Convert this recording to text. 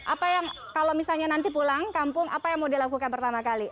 apa yang kalau misalnya nanti pulang kampung apa yang mau dilakukan pertama kali